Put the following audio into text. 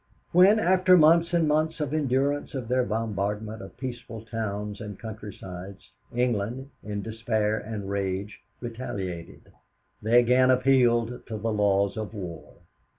When, after months and months of endurance of their bombardment of peaceful towns and countrysides, England, in despair and rage, retaliated, they again appealed to the laws of war.